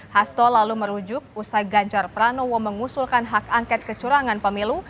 hasto lalu merujuk usai ganjar pranowo mengusulkan hak angket kecurangan pemilu